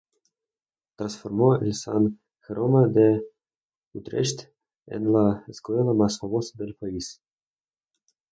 Transformó el San Jerome de Utrecht en la escuela más famosa del país.